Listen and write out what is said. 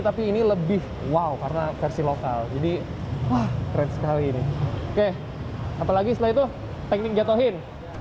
tapi ini lebih wow karena versi lokal jadi wah keren sekali ini oke apalagi setelah itu teknik jatuhin